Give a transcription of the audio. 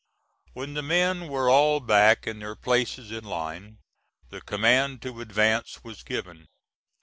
When the men were all back in their places in line, the command to advance was given.